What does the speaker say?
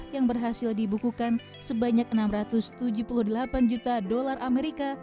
yang berhasil dibukukan sebanyak enam ratus tujuh puluh delapan juta dolar amerika